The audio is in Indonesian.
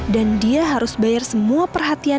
dan dia harus bayar semua perhatian